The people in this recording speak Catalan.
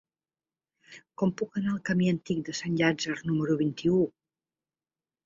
Com puc anar al camí Antic de Sant Llàtzer número vint-i-u?